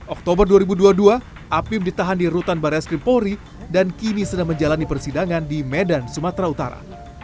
oktober dua ribu dua puluh dua apim ditahan di rutan barai skrimpori dan kini sedang menjalani persidangan di medan sumatera utara